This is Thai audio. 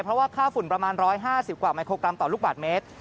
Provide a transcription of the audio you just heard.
เพราะว่าค่าฝุ่นประมาณ๑๕๐กว่าไมโครกรัมต่อลูกบาทเมตร